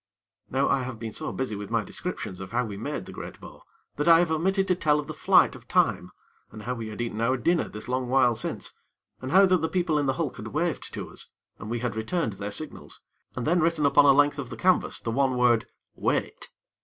Now I have been so busy with my description of how we made the great bow, that I have omitted to tell of the flight of time, and how we had eaten our dinner this long while since, and how that the people in the hulk had waved to us, and we had returned their signals, and then written upon a length of the canvas the one word, "WAIT."